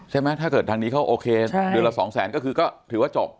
ถ้าเกิดทางนี้เขาโอเคเดือนละสองแสนก็คือก็ถือว่าจบ